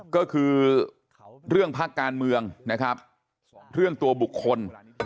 ก็คือเรื่องพักการเมืองนะครับเรื่องตัวบุคคล